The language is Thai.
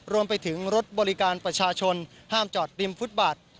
รวมไปถึงรถบริการประชาชนห้ามจอดริมฟุตบาท